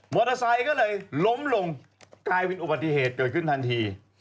มอเตอร์ไซต์ของเขาก็เลยล้มลงกายวินอุบัติเหตุเกิดขึ้นทันที